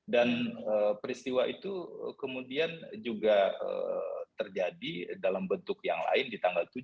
dan peristiwa itu kemudian juga terjadi dalam bentuk yang lain di tanggal tujuh